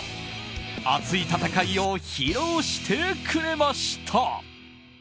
熱い戦いを披露してくれました。